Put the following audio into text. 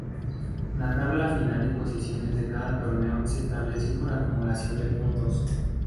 La tabla final de posiciones de cada torneo se estableció por acumulación de puntos.